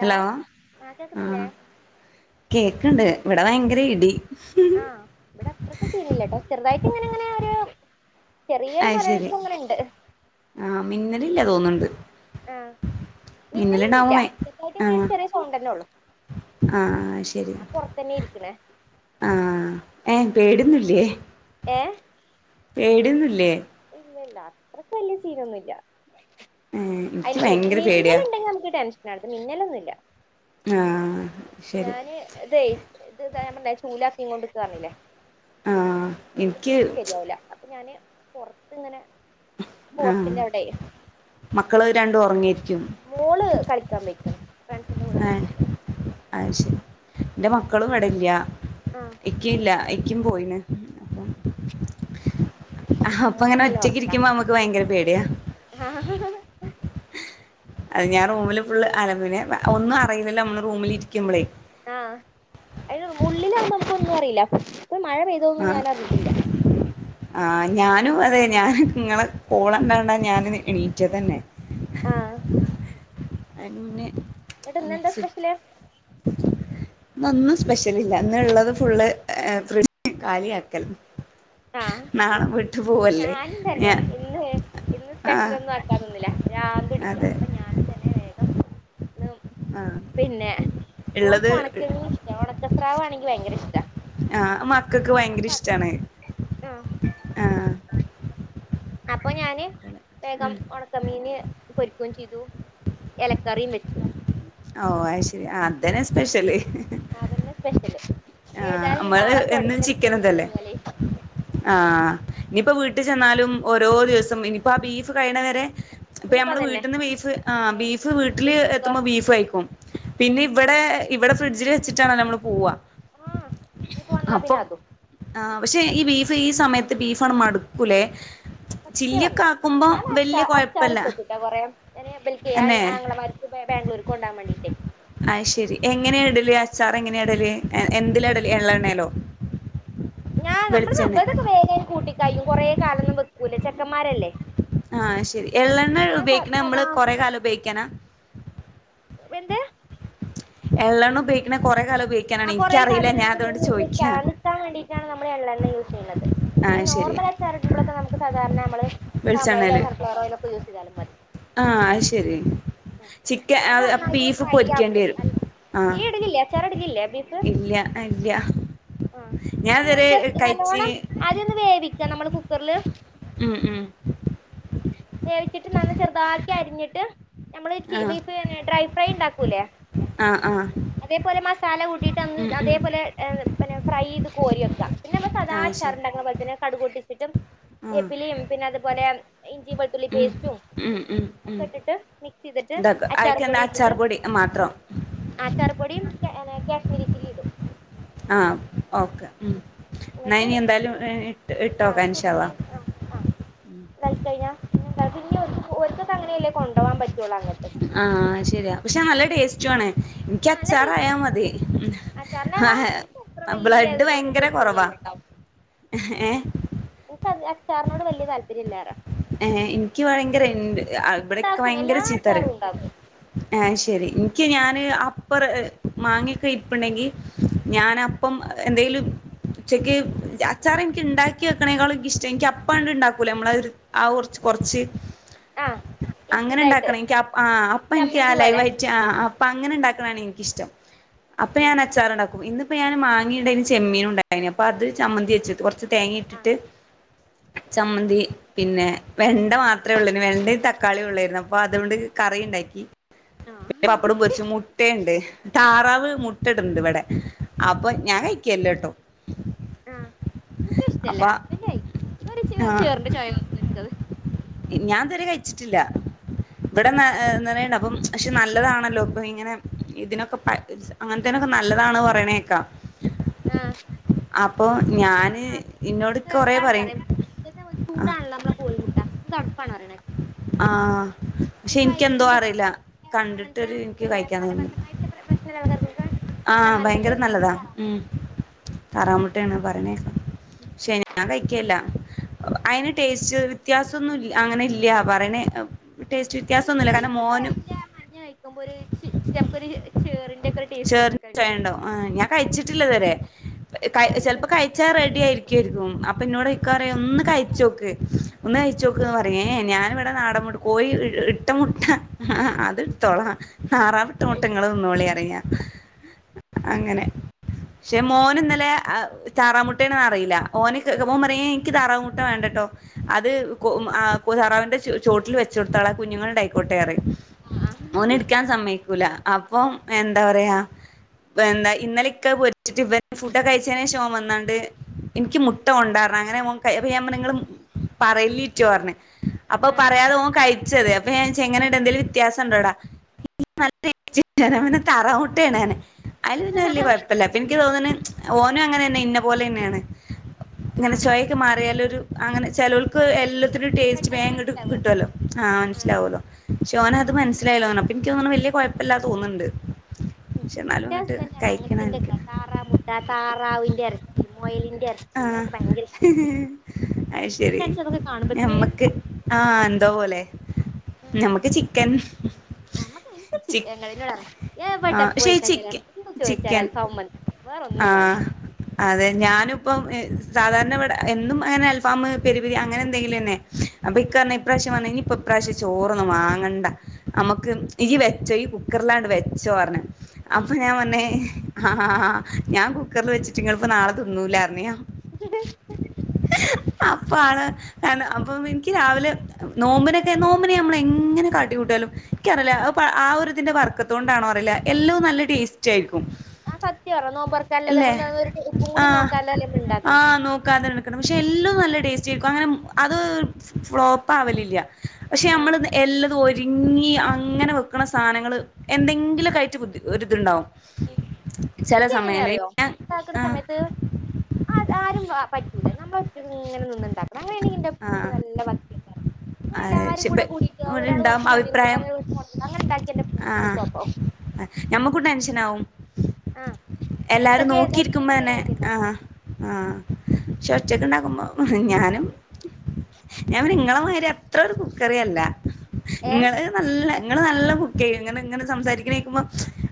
Hello ആഹ് കേക്ക്ണ്ട്. ഇവടെ ഭയങ്കര ഇടി. ആഹ് ഇബ്ടെ അത്ര സീനില്ലട്ടോ. ചെർതായിട്ട് ഇങ്ങനെ ഇങ്ങനെ ഒരു ചെറിയൊര് അയ് മര [unintelligible] ശരി വിഴ്ച്ച ഇങ്ങനെ ഇണ്ട്. ആഹ് മിന്നല് ഇല്ല തോന്ന്ണ്ട്. ആഹ് മിന്നലൊന്നുല്ല. മേ ചെർതായിട്ട് ആഹ് ഇങ്ങനൊര് ചെറ്യേ സൗണ്ടെന്നെ ഒള്ളൂ. ആഹ് ശരി ഞാൻ പൊർത്തന്നെ ഇരിക്ക്ണെ. ആഹ് ഏഹ് പേട്യോന്നുല്ലെ. ഏഹ് പേട്യോന്നുല്ലേ ഇല്ല ല്ല അത്രക്ക് വല്ല്യ സീനൊന്നുല്ല. ഏഹ് അയ്ന് എനിക്ക് [unintelligible] ഭയങ്കര പേടിയാ മിന്നല്ണ്ടെങ്കി നമക്ക് ടെൻഷനാണ്. മിന്നലൊന്നുല്ല ആഹ് ശരി ഞാന് ഇതെയ്. ഇത് ഞാൻ പറഞ്ഞിലെ. ചൂലാകീങ്ങൊണ്ടിക്കാ പർഞ്ഞിലെ. ആഹ് ഉള്ള് എനിക്ക് കേറ്റ്യാ ശെര്യാവൂല. അപ്പൊ ഞാന് പൊർത്ത്ങ്ങനെ. ആഹ് മക്കള് രണ്ടും ഒർങ്ങ്യേര്ക്ക്യും. മോള് കളിക്കാൻ പോയ്‌ക്ക്ണ്. ഫ്രണ്ട്സിന്റെ കൂടെ കളിക്ക്ണ്ടൗടെ. അഹ് ശെരി ഇന്റെ മക്കളു ഇവടെല്ല. ആഹ് ഇക്കീല്ല ഇക്കീം പോയീണ് അപ്പം ആഹ് അപ്പ ഓന് ഇങ്ങനെ നല്ല ഒറ്റക്കിരിക്കുമ്പം അമ്മക്ക് ഭയങ്കര പേട്യ. ഒറക്കാ അത് ഞാൻ റൂമില് ഫുള് അല പിന്നെ ഒന്നും അറീലല്ലോ അമ്മള് റൂമിലിരിക്കുമ്പളെ. ആഹ് ഐന് ഉള്ളിലാവുമ്പോ നമക്കൊന്നു അറീല. ഇപ്പ മഴ പെയ്തോന്നും ഞാന അറ്ഞ്ഞിട്ടില്ല. ആഹ് ഞാനും അത് തന്നെ. ഞാനു ഇങ്ങളെ കോളണ്ടാണ്ടാ ഞാനും എണീറ്റതന്നെ. ആഹ് അത് പിന്നെ എന്നിട്ട് ഇന്നെന്താ സ്പെഷ്യല് [unintelligible] ഇന്നൊന്നും സ്പെഷ്യല് ഇല്ല. ഇന്ന് ഇള്ളത് ഫുള്ള് ഫ്രിഡ്ജ് കാലി ആക്കല്. ആഹ് ഞാനും തന്നെ ഞാൻ ഇന്ന് ഇന്ന് ആ സ്പെഷ്യൽ ഒന്നും ന്നൊന്നില്ല. പ്രാന്തുടിക്ക അതെ അപ്പ ഞാനും തന്നെ വേഗം ഇന്ന് ആ പിന്നെ ഇള്ളത് മോൾക്ക് ഒണക്കമീഷ്ട്ട. ഒണക്കസ്രാവാണെങ്കി ഭയങ്കര ഇഷ്ട. ആഹ് മക്കക്ക് ഭയങ്കര ഇഷ്ടാണ്. അഹ് ആഹ് അപ്പൊ ഞാന് വേഗം ഉം ഒണക് ക്കമീന് പൊരിക്കും ചെയ്തു. എലക്കറിയും വെച്ചു. ഓഹ് അയ്ശെരി അതന്നെ സ്പെഷ്യല്. അതെന്നെ സ്പെഷ്യല്. ആഹ് ഏതായാലും ഇഞ് നമ്മള് നാളെ എന്നും തൊടങ്ങിയാണ് ചിക്കൻ തീറ്റ ഇതല്ലേ തൊടങ്ങിയാലേ. ആഹ് ഇഞ്ഞ്പ്പ വീട്ട് ചെന്നാലും ഓരോ ദിവസം ഇനിപ്പോ ആ ബീഫ് കഴ്ണവരെ. ഇപ്പ ഇനിയിപ്പ ഞമ്മള് അതന്നെ വീട്ട്ന്ന് ബീഫ് ആഹ് ഏയ് ബീഫ് വീട്ടില് എത്തുമ്പോ ബീഫയ്ക്കും. ഉം പിന്നെ ഇബ്ടെഹ് ഇബെടെ ഫ്രിഡ്ജില് വെച്ചിട്ടാണല്ലോ അമ്മള് പോവാ ആഹ് ഇനിയിപ്പോ വന്നാ പിന്നെ അപ്പം. അതും ആഹ് പക്ഷെ ഈ ബീഫ് ഈ സമയത്ത് ബീഫാണ് മട്ക്കുലേ. സത്യ പർഞ്ഞെ. ഞാനച്ചാ കൊഴപ്പല്ല അച്ചാറിട്ടൊക്കുട്ടൊ കൊറേ. ഞാനെ ഇബെൽക്കെ അന്നെ ആങ്ങളമാര് ബാഗ്ലൂര്ക്ക് കൊണ്ടവാ മാണ്ടീട്ടെ. അഹ്ശെരി എങ്ങനെയാടല് അച്ചാറെങ്ങനെയാടല് എന്തിലാടല് എള്ളണ്ണേലോ? ഞാ നമ്മൾത് ബെതൊക്കെ വേഗം കൂട്ടിക്കയ്യും കുറേ കാലൊന്നും വെക്കൂല ചെക്കമ്മാരല്ലേ ആഹ് ശെരി എള്ളെണ്ണ ഉപയോഗിക്ക്ണെ സദാ മ്മള് കൊറെ കാലം ഉപയോഗിക്കാനാ? വെന്ത് എള്ളണ്ണ പയോഗിക്ക്ണെ കൊറെേ കാലംപോയ് ആഹ് കുറെ കാലം നമുക്ക് നി നിത്താൻ വേണ്ടിയിട്ടാണ് നമ്മള് എള്ളെണ്ണ യൂസെയ്ന്നത് അല്ലയീ ആഹ് ശരി നോർമലച്ചാറിടുമ്പളൊക്കെ നമുക്ക് സാധാര്ണ മ്മള് പാമോയിലോ വെളിച്ചെണ്ണേല് സൺഫ്ലവർ ഓയിലൊക്കെ യൂസെയ്താലും മതി. ആഹ് അയ്ശെരി ചിക്ക ഞാൻ നന്നായിട്ട് അഹ്ബീഫ് ഫ്രൈ ആക്കും പൊരിക്കേണ്ട്യരും ആഹ് ഈ ഇടലില്ലേ അച്ചാർ ഇടലില്ലേ ബീഫ് ഇല്ല്യ അല്ല്യ ഞാതരേ കഴ്ച്ച് അദ്യൊന്ന് വേവിക്കാ നമ്മള് കുക്കർല് ഉം ഉം വേവിച്ചിട്ട് നന്ന ചെറുതാക്കി അരിഞ്ഞിട്ട് നമ്മള് ക്കി ആഹ് വീ ട്രെെഫ്രൈണ്ടാക്കൂലെ ആഹ് ആഹ് അതേപോലെ മസാല കൂ ട്ടിട്ടന്ന് ഉം ഉം അതേപോലെ പന്നെ ഫ്രൈ യെയ്ത് കോരി വെക്ക പിന്നെ നമ്മൾ സദാ ആഹ് ശരി അച്ചാറിണ്ടാക്ക്ണ പോൽത്തന്നെ കടുകൊട്ടിച്ചിട്ടും ആഹ് വേപ്പിലിം പിന്നെ അതുപോലെ ഇഞ്ചി വെൾ ത്തുള്ളി ഉം പേസ്റ്റും ഉം ഉം ഒക്കെ ഉം ഇട്ടിട്ട് മിക്സെയ്തിട്ട് ഇതാക്ക അച്ചാറ് പൊടി അയിക്കെന്താ ഇട്ടിട്ട് അച്ചാർ അഹ് പൊടി മാത്രം അച്ചാറുപ്പൊടീം കാനെ കെ കാശ്മീരിചില്ലിടും ആഹ് ഓക്കെ ഉം എന്നിട്ട് എന്നായിനി എന്തായാലും ഇ ഇട്ടോക്കാം ഇൻശാള്ളാ ണ്ടാക്കി കയ്ഞ്ഞാ പിന്നെന്ത പിന്നിം ഓര്ക്കൊക്കെ ഓര്ക്കൊക്ക അങ്ങനെയല്ലേ കൊണ്ടവാം പറ്റൊള്ളൂ അങ്ങട്ട് ആഹ് ശെരിയാ പക്ഷെ നല്ല ടേസ്റ്റും ആണ് ആ നല്ല ഇൻക്ക്യച്ചാറായാ ടേസ്റ്റാ മതി അച്ചാറിന്റെളാ ആഹ്ഹേ എനിക്ക് അത്ര വല്യ ബ്ലഡ് അതിനോടൊരു ഭയങ്കര കെറവാ [unintelligible] ഏഹ് ഇൻക്കച്ചാറിനോട് വല്യ താല്പര്യല്ലാറ്യ ഏഹ് ഇൻക്ക്യി ഭയങ്കര ഇന്റ് ആൾ ബെഡെക്കെ ഇണ്ടാക്കും ഭയങ്കര എല്ലാ ചീത്തറിം അച്ചാറും ഉണ്ടാക്കും ആഹ് ശെരി ഇൻക്ക്യി ഞാന് അപ്പറ് മാങ്ങിയൊക്കെ ഇപ്പണ്ടെങ്കി ഞാനപ്പം എന്തേലും ഉച്ചയ്ക്ക് അച്ചാറിൻക്ക്യിണ്ടാക്കി വെക്കണേക്കാളും ഇൻക്ക്യിഷ്ടം എനിക്കിപ്പാണ്ട്ണ്ടാക്കൂലേ ഞമ്മളഹ് രു ആഹ് ഒർച്ച് കൊർച്ച് ആ ഇൻസ്റ്റന്റ് ആയിട്ട് അങ്ങനെണ്ടാക്കണം എൻക്ക ആഹ് അപ്പിൻക്ക്യാ ചമ്മന്തി പോലെ ലൈവായ്- റ്റാഅപ്പങ്ങനണ്ടാക്കിണാണിൻക്കിഷ്ടം അപ്പൊ ഞാനച്ചാറ്ണ്ടാക്കും ഇന്ന് ഇപ്പൊ ഞാന് മാങ്ങീണ്ടേനി ചെമ്മീനൂണ്ടായ്നി അപ്പത് ചമ്മന്തി വെച്ച്ട്ട് കൊർച്ച് ആ തേങ്ങീട്ടിട്ട് ചമ്മന്തി പിന്നെ വെണ്ട മാത്രേ ഒള്ളെനി വെണ്ടയും തക്കാളിയും ഒള്ളെര്ന്നു അപ്പൊ അതോണ്ട് കറിണ്ടാക്കി ആ പപ്പടം പൊരീച്ച് മുട്ടയ്ണ്ട് താറാവ് മുട്ടിടണ്ട് ഇവിടെ അപ്പൊ ഞാൻ കഴിക്കല്ല ട്ടോ ആഹ് ഇനിക്കഷ്ടല്ലേ അന്റൊയിറ ചേറിന്റെ ചോയ വന്നുന്നു നിനിക്കത് ഞാൻതിരെ കഴിച്ചിട്ടില്ല ഇവിടെറണ്ട അപ്പം പക്ഷെ നല്ലതാണല്ലോ ഇപ്പൊ ഇങ്ങനെ ഇതിനൊക്കെ അങ്ങനത്തേനൊക്കെ നല്ലതാണ് പറയണേക്കാ ആഹ് അപ്പൊ ഞാന് ഇന്നോട് ഇക്ക നമുക്ക് കൊറ ഇതാണ് പറയും പറയാ ചൂടാണല്ലോ നമ്മുടെ കോഴിമുട്ട തടുപ്പാണ് പറയണക്കെ ആഹ് പക്ഷെ എനിക്കന്തോ അറിയില്ല അങ്ങനത്തെ കണ്ടിട്ടൊരു എനിക്ക് പിന്നെ കഴിക്കാൻ തന്നില്ല മലബന്ധമായിട്ടുള്ള പ്രശ്നമുള്ള ആൾക്കാർക്കൊക്കെ കഴിക്കാൻ ആഹ് നല്ലത് ബയങ്കര നല്ലതാ താറാവ് ഉം താറാമുട്ടയാണ് പറഞ്ഞേക്കാം പക്ഷേ ഞാൻ കഴിക്കേല്ല അയിന് ടേസ്റ്റ് വ്യത്യാസൊന്നും ല്യ അങ്ങനെ ഇല്ല പറയണേ ടേസ്റ്റ് എനിക്ക് വ്യത്യാസൊന്നുമില്ല കാരണം എനിക്കത് മോനും അയിൻ്റെ മഞ്ഞ കഴിക്കുമ്പൊ ഒരു ച് ചെമക്കൊരു ചേർപായോണ്ടോ ആഹ് ഞാൻ ആ കഴിച്ചിട്ടില്ലിതുവരെ കഴി ഞാൻ കഴിച്ചു ചെലപ്പോ കഴിച്ചാ റെഡി നോക്കിട്ടുണ്ട് ആയിരിക്കു ക്കും അപ്പൊന്നോട് ഇക്കാറയും ഒന്ന് കയിച്ചോക്ക് ഒന്ന് കയിച്ചോക്ക്ന്ന് പറയേ ഞാൻ ഇവിടെ നാടൻ മുട് കോയി ഇട്ട മുട്ട അത് ഇടുത്തോളാം താറാവിട്ട മുട്ട ങ്ങള് തിന്നോളി പറയും ഞാൻ അങ്ങനെ പക്ഷെ മോന് ഇന്നലെ താറാമുട്ടേണ്ന്ന് അറിയില്ല ഓന്ക്ക് മോൻ പറയേ എനിക്ക് താറാമുട്ട വേണ്ടട്ടോ അത് കോ താറാവിന്റെ ചോട്ടിൽ വെച്ചു കൊടുത്താളെ കുഞ്ഞുങ്ങളുണ്ടായിക്കോട്ടെ പറയും ആ മോനെടുക്കാൻ സമ്മയ്ക്കൂല അപ്പം എന്താ പറയാ ഇപ്പ എന്താ ഇന്നലെ ഇക്ക പൊരിച്ചിട്ട് ഇവ ഫുഡൊക്കെ കയിച്ചേന് ശേഷം അവൻ വന്നാണ്ട് എനിക്ക് മുട്ട ഉണ്ടാരണം അങ്ങനെ ഓൻ [unintelligible] നിങ്ങളും പറയല്ലീറ്റു പറഞ്ഞ് അപ്പൊ ആ പറയാതെ ഓൻ കയിച്ചതേ അപ്പ ഞാൻ ചോയ്ച്ച് എങ്ങനെ ണ്ട് എന്തേലും വ്യത്യാസം ഉണ്ടോടാ [inaudible] [inaudible] താറമുട്ടേണ്ങ്ങനെ അതില്ന്നെ വലിയ കൊഴപ്പല്യ എനിക്ക് തോന്നുന്നു ഓനും അങ്ങനെ തന്നെ ഇന്ന പോലെ തന്നെയാണ് ആ ഇങ്ങനെ ചോയ് ക്കു മാറിയാലൊരു അങ്ങനെ ചെലോൾക്ക് എല്ലോം ത്തൊരു ടേസ്റ്റ് പെട്ടെന്ന് വേഗം ങ്ങട് മനസ്സിലാവോ കിട്ടുവല്ലോ ആഹ് ആ ആ മനസ്സിലാവുല്ലോ പക്ഷേ ഓനത് മനസ്സിലായില്ല തോന്ന്ണ് അപ്പൊ എനിക്കു തോന്ന്ണ് വലിയ കൊഴപ്പല്ലാ തോന്നുന്നുണ്ട് ഉം പക്ഷെ എന്നാലും എന്റെ ഇങ്ങട്ട് ഹസ്ബൻറാണ് കഴിക്കണം അങ്ങനത്തേന്റെ എനിക്ക് ഒക്കെ താറാ മുട്ട താറാവിന്റെ എറച്ചി മൊയലി ആഹ് അയ്ശരി എനിക്ക് അതൊക്കെ കാണുമ്പത്തിന് ഞമ്മക്ക് ആഹ് എന്തോ പോലെ ഞമ്മക്ക് ചിക്കൻ ഞമ്മക്ക് എനിക്ക് ചി ചിക്കൻ കഴിഞ്ഞേള്ള് എറച്ചി എവിടെ ആഹ് പക്ഷെ പോയ് ഈ കഴിഞ്ഞാലും ചിക്കൻ എന്ത് ചോയ്ച്ചാലും ചിക്കൻ അൽഫാമും മന്തീം വേറൊന്നും വേണ്ട ആഹ് അതെ ഞാനും ഇപ്പം സാധാരണ ഇവിടെ എന്നും അങ്ങനെ അൽഫാം പെരുപിരി അങ്ങനെ എന്തെങ്കിലു അന്നെ അപ്പൊ ഇക്കറഞ്ഞ് ഇപ്രാശ്യം വന്നേനി ഇപ്പ ഇപ്രാശ്യം ചോറൊന്നും വാങ്ങണ്ട അമ്മക്ക് ഇജ് വെച്ചോ ഇയ്യ് കുക്കറിലാണ്ട് വെച്ചോ പറഞ്ഞ് അപ്പൊ ഞാൻ വന്നെ ഞാൻ കുക്കറിൽ വെച്ചിട്ടിങ്ങളിപ്പോ നാളെ തിന്നൂലാന്ന് നീയോ ഇ [unintelligible] അപ്പ ആള് ന്താണ് അപ്പൊ എനിക്ക് രാവിലെ നോമ്പിനൊക്കെ നോമ്പിന് ഞമ്മള് എങ്ങനെ കാട്ടിക്കൂട്ട്യാലും യ്ക്കറിയില്ല ആ ഒരു ഇതിന്റെ വർക്കത്ത് കൊണ്ടാണോ അറിയില്ല എല്ലോം നല്ല ടേസ്റ്റ് ആയിരിക്കും ആഹ് സത്യാ പറഞ്ഞ നോമ്പൊറക്കാൻള്ളത് അല്ലേ നമ്മൾ ഒരു ഉപ്പും കൂടി ആഹ് നോക്കാതല്ലേ നമ്മൾ ഉണ്ടാക്കണ ആഹ് നോക്കാതെ എടുക്കണം പക്ഷെ എല്ലോം നല്ല ടേസ്റ്റായിരിക്കും അങ്ങനെ അത് ഫ്ലോപ്പ് ആവലില്ല പക്ഷെ നമ്മൾ എല്ലതും ഒരുങ്ങി അങ്ങനെ വെ ക്കണ സാധനങ്ങൾ എന്തെങ്കിലൊക്കായിറ്റ് ഒരിതുണ്ടാവും ചില എനിക്കെങ്ങനെ സമയങ്ങളിൽ അറിയോ ഞാൻ ഉണ്ടാക്കണ ആഹ് സമയത്ത് അത് ആരും പറ്റൂല നമ്മളൊറ്റക്ക് ഇങ്ങനെ നിന്നുണ്ടാക്ക ണം അങ്ങനാണെങ്കി എൻ്റെ ഫുഡ് ആഹ് നല്ല [unintelligible] അത് അങ്ങനെയെല്ലാരും ശിപ്പ കൂടെ കൂടിട്ട് ഇവിടെ ഒരാൾ ഉണ്ടാവും കൊറച്ച് മഞ്ഞളിട്ട് അഭിപ്രായം ഒരാൾ കൊറച്ച് മൊളകിട്ട് അങ്ങനെണ്ടാക്കിയാ എൻ്റെ ഫുഡ് ഫ്ലോപ്പാവും ആഹ് ഞമ്മക്കും ടെൻഷൻ ആവും ആഹ് എല്ലാരും എന്തൊക്കെ ഏതാ നോക്കിയിരിക്കുമ്പോ ഇടുന്നൊരു തന്നെ ഐഡിയ ആഹ് ഇണ്ടാവൂല ആഹ് ക്ഷെ ഒച്ചക്കെ ഉണ്ടാക്കുമ്പോ ഞാനും ഞാൻ പറയും ഇങ്ങളെ മാതിരി അത്ര ഒരു കുക്കറിയല്ല ഏഹ് ഇങ്ങള് നല്ല ഇങ്ങള് നല്ല കുക്ക് ചെയ്യും ഇങ്ങനെ ഇങ്ങനെ സംസാരിക്കണ കേക്കുമ്പോ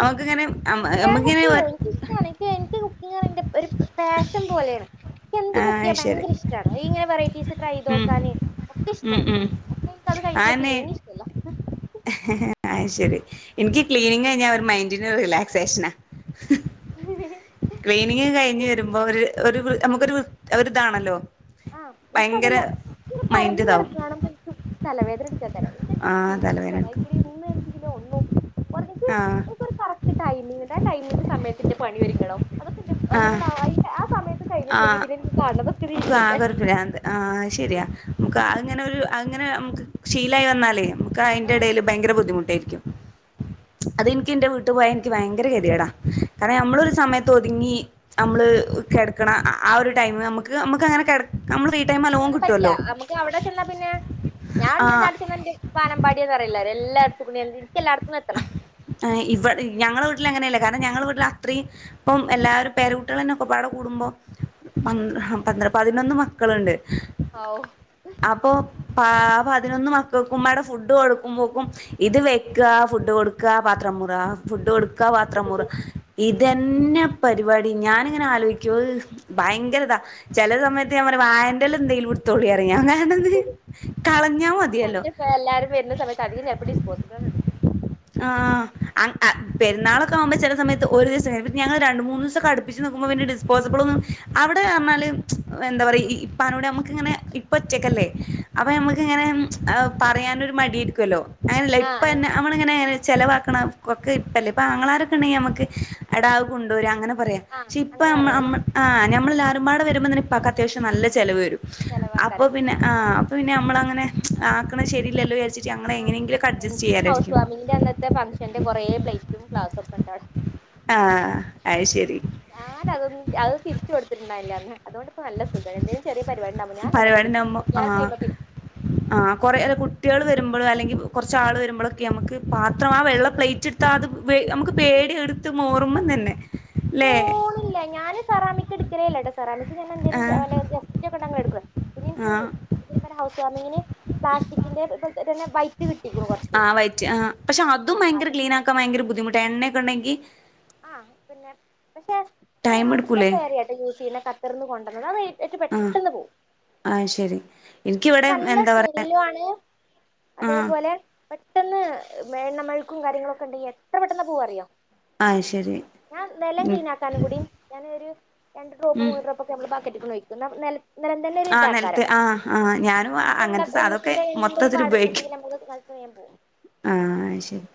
നമക്ക് ഇങ്ങനെ ആഹ് നമുക്കിങ്ങനെ എഹ് ഇഷ്ടമാണ് എനിക്ക് എനിക്ക് കുക്കിങ്ങ് പറയണത് ഒരു പാഷൻ പോലെയാണ് എനിക്ക് എന്ത് കുക്ക് ആഹ് ചെയ്യാൻ ശരി ഭയങ്കര ഇഷ് ടാമാണ് ഇങ്ങനെ വെറൈറ്റീസ് ട്രൈ ഉം ചെയ്തോക്കാൻ ഒക്കെ ഉം ഇഷ്ടമാണ് ഉം അത് കഴിഞ്ഞിട്ടുള്ള ആന്നെ ക്ലീനിങ് ഇഷ്ടല്ല ഹ അത് ശരി എനിക്ക് ക്ലീനിങ് കഴിഞ്ഞാൽ ഒരു മൈൻഡ്നു റിലാക്സേഷനാ ക്ലീനിങ് കഴിഞ്ഞ് വരുമ്പോ ഒരു ഒരു നമുക്കൊരു ഒരിതാണല്ലോ ആഹ് ഇപ്പ ഭയങ്കര അതല്ല ഇങ്ങനെ പരന്ന മൈൻഡ് ഇതാവും കിടക്കണ കാണുമ്പോ എനിക്ക് തലവേദന എടക്കാൻ തരാം ആഹ് എനിക്ക്ത് തലവേദന എടുക്കും ചടായിക്കൊടി ഒന്ന്ണെങ്കിലോ ഒന്നുംക്ക് ആഹ് കറക്റ്റ് ടൈമിങ്ങുണ്ട് ആ ടൈമിന്റെ സമയത്തിന്റെ പണി ഒരിങ്ങണം അതൊക്കെ ആഹ് എൻ്റെ ആ സമയ കഴിഞ്ഞിട്ടില്ലെങ്കി ആഹ് പിന്നെ എനിക്ക് തല കുത്തി നമുക്ക് ആകെ ഒരു ആഹ് ശരിയാ നമുക്ക് അങ്ങനെ ഒരു അങ്ങനെ നമുക്ക് ശീലായി വന്നാലേ അതിന്റെ ആഹ് ഇടയിൽ ഭയര ബുദ്ധിമുട്ടായിരിക്കും അതെനിക്ക് എന്റെ വീട്ടു പോയാ എനിക്ക് ഭയങ്കര ഗതിയടാ കാരണം നമ്മള ഒരു സമയത്ത് ഒതുങ്ങി നമ്മള് കിടക്കണ ആ ഒരു ടൈമ നമുക്ക് നമുക്ക്ങ്ങനെ നമ്മള് ടൈം നല്ലോം അങ്ങനെ പറ്റില്ല കിട്ടുവല്ലോ നമുക്ക് അവിടെ ചെന്ന പിന്നെ ഞാൻ എണ്ട് ആഹ് അടെന്നണ്ട് വാനമ്പാടി എന്ന് പറയില്ല എല്ലടുംത്ത് കൂടി എനി എല്ലടും എത്തണം ആഹ് ഇവിടെ ഞങ്ങള വീട്ടിൽ അങ്ങനെയല്ല കാരണം ഞങ്ങള വീട്ടിൽ അത്രയും ഇപ്പം എല്ലാരും പേരുകുട്ടികളന്ന ഒക്കെപാടെ കൂടുമ്പോ പ പന്ത്ര പതിനൊന്ന് മക്കളുണ്ട് ഹാവൂ അപ്പൊ പ പതിനൊന്ന് മക്കൾക്കും ഉമ്മടേ ഫുഡ് കൊടുക്കുമ്പോക്കും ഇത് വെക്ക ഫുഡ് കൊടുക്ക പാത്രമുറ ഫുഡ് കൊടുക്ക പാത്രമുറ ഇ ഇതന്നെ പരിപാടി ഞാനിങ്ങനെ ആലോചിക്കു ഭയങ്കരതാ ചില സമയത്ത് ഞാൻ പറയും വായൻറെല്ലാം എന്തെിലും ടുത്തോളിയ പറഞാ കണത് കളഞ്ഞാ ഞാൻ മതിയല്ലോ അങ്ങനെ എല്ലാരും വരുന്ന സമയത്ത് തവി അപ്പ ഡിസ്പോസലടുക്കും ആഹ് പെരുന്നാളൊക്കെ ആവുമ്പോ ചില സമയത്ത് ഒരു ദിവസം ഞങ്ങള് രണ്ട മൂന്ന് ദിവസടു പ്പിച്ച് നിക്കുമ്പോ ഡിസ്പോസബിൾ ഒും അവിടെ പറഞ്ഞാല് എന്താ പറയാ ഇപ്പനോട് നമുക്ക ഇങ്ങനെ ഒറ്റക്കല്ലേ അപ്പൊ നമുക്ക് ഇങ്ങനെ പറയാനൊരു മടിയിരിക്കുവല്ലോ അങ്ങനല്ല ആഹ് ആഹ് ഇപ്പന്നെ അവ ങ്ങനെ ചെലവാക്കണതു ഒക്കെ ഇപ്പല്ലേ ഇപ്പൊ ആങ്ങളമാരൊക്കെ ഉണ്ടെങ്കിൽ നമക്ക് എടാ അത് കൊണ്ടവര് അങ്ങനെ പറയാം ആഹ് പക്ഷെ അങ്ങനെ ഇപ്പംമ്മ പറയാല്ലേ അമ്മ ആഹ് ഞമ്മളെല്ലാരുംമ്പാട് വരുമ്പോ തന്നെ ഇപ്പാക് അത്യാവശ്യം നല്ല ചെലവ് വരും ചെലവാക്കാര അപ്പൊ പിന്നെ ആഹ് അപ്പ പിന്നെ ഞമ്മള് അങ്ങനെ ആക്കണ ശരില്ലോ വിചരിച്ചിട്ട് ഞങ്ങള് ആഹ് എങ്ങനെങ്കിലുംക്കെ എനിക്ക് അഡ്ജസ്റ്റ് ഹൗസ് ചെയ്യാനായിരിക്കും പിന്നെ വാമിങ്ങിന്റെ അന്നത്തെ ഫംഗ്ഷന്റെ കുറെ പ്ലേറ്റും ഗ്ലാസ്സും ഒക്കെ ഉണ്ട് അവടെ ആഹ് അത് ശരി ഞാനതൊന്നും അത് തിരിച്ച് കൊടുത്തിട്ടുണ്ടായില്ലാന്ന്. അതോണ്ടിപ്പോ നല്ല സുഖ എന്തേലും ചെറിയ പരിപാടിയുണ്ടാവുമ്പോൾ ഞാനതെല്ലാം എടുക്കും. പരിപാടിണ്ടാവുമ്പോ ആഹ് കിട്ടിയാസേമന്തി. ആഹ് കൊറെരെ കുട്ടികള് വരുമ്പളും അല്ലെങ്കിൽ കൊർച്ച് ആള് വരുമ്പോളെക്കെ നമ്മെക്ക് പാത്രം ആഹ് വെള്ള പ്ലേറ്റ് എടു താ അത് വെ നമുക്ക് പേടിയാ എടുത്ത് മൂറുമം തന്നെ ല്ലേ. അതില്ല. ഞാനും ഫറാമിക് എടുക്കലേല്ലട്ടേ. സെറാമിസിസ് വന്ന എന്തേലും ആഹ് ക മേ ഗസ്റ്റക്കണ്ടാങ്ങ് എടെക്ക്. പിന്നെ എനിക്ക്. ആഹ് ഇതിന് പിന്നെ ഹൗസ് വാമിങ്ങിന് പ്ലാസ്റ്റിക്കിന്റെ തെക്കെ തന്നെ വൈറ്റ് കിട്ടി ഗുറുപാട്. ആഹ് വൈറ്റ് ആഹ് പക്ഷെ അതും ഭയങ്കര ക്ലീനാക്കാൻ ഭയങ്കര ബുദ്ധിമുട്ടാ. എണ്ണൊക്കെണ്ടെങ്കിൽ. ആഹ് പിന്നെ പക്ഷെ ഞാൻ ടൈം അവിടുത്തെ എടുക്കൂലേ ഫേറിയായിട്ട് യൂസ് ചെയ്യുന്നേ. ഖത്തിർന്ന് കൊണ്ടു വന്നത് അത് ഏറ്റ് പെട്ടെന്ന് പോം. അയ് ശെരി. എനിക്കിവിടെ എന്താ പറയാ സ്മെല്ലു ആണ് ആഹ് അതേപോലെ, പെട്ടെന്ന് മേൽ നമ്മൾക്കും കാര്യങ്ങളൊക്കെ ഉണ്ടെങ്കിൽ എത്ര പെട്ടെന്ന് പോവറിയോ? അയ് ശെരി ഞാൻ നിലം ക്ലീനാക്കാനും കൂടി. ഞാനിയൊരു രണ്ട് ഡ്രോപ്പ് ഉം മൂന്ന് ഡ്രോപ്പൊക്കെ ബക്കറ്റിക്കൊന്ന് ഒഴിക്കും. ന നെല ന്നലെ ന്തേലൊരു ആഹ് നെലത്ത് ഇതാക്കാരം. ആഹ് ആഹ് ഞാനും എണ്ണ അങ്ങനത്തെ സാധനൊക്കെ എണ്ണത്തിന്റെ, എണ്ണെന്തെര് മൊത്തത്തില് ഉപയോഗിക്കും പാടക്കൊണ്ടെങ്കിൽ നമ്മെക്ക് വ ത് വേം പോ ആഹ് ശരി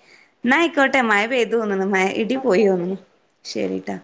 എന്നായിക്കോട്ടെ. മയ പെയ്തു തോന്നണ്. മ ഇടി ഓക്കെ പോയി വന്നു. ഓക്കെ ശെരിട്ടാ.